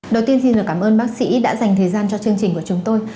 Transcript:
đầu tiên xin được cảm ơn bác sĩ đã dành thời gian cho chương trình của chúng tôi